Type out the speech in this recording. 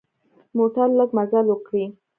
موټر لږ مزل وکړي.